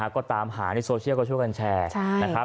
ก็ตามหาที่โซเชียลก็ช่วยกันแชร์